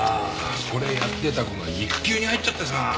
これやってた子が育休に入っちゃってさ。